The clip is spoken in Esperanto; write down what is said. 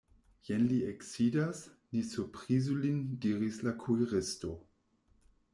Jen li eksidas, ni surprizu lin, diris la kuiristo.